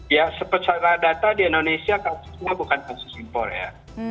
ya secara data di indonesia kasusnya bukan kasus impor ya